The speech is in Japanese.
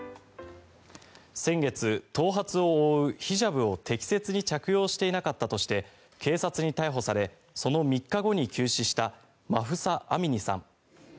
先月、頭髪を覆うヒジャブを適切に着用していなかったとして警察に逮捕されその３日後に急死したマフサ・アミニさん。